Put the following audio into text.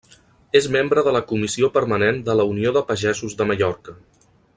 És membre de la Comissió Permanent de la Unió de Pagesos de Mallorca.